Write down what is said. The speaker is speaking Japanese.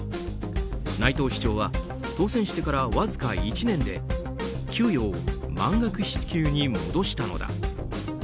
内藤市長は当選してからわずか１年で給与を満額支給に戻したのだ。